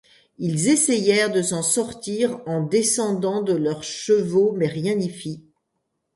Ils essayèrent de s'en sortir en descendant de leurs chevaux mais rien n'y fit.